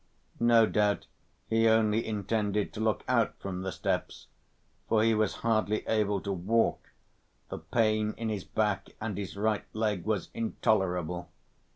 No doubt he only intended to look out from the steps, for he was hardly able to walk, the pain in his back and his right leg was intolerable.